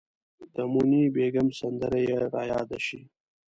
د موني بیګم سندره یې ریاده شي.